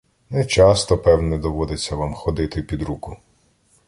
Не часто, певне, доводиться вам ходити під руку.